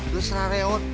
gak serah reot